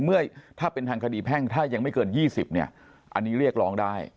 เมื่อถ้าเป็นทางคดีแพ่งถ้ายังไม่เกิน๒๐เนี่ยอันนี้เรียกร้องได้